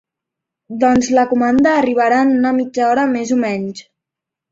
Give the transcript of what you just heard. Doncs la comanda arribarà en una mitja hora, més o menys.